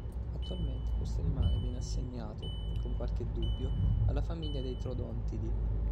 Attualmente questo animale viene assegnato, con qualche dubbio, alla famiglia dei troodontidi.